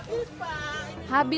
wah abis pak abis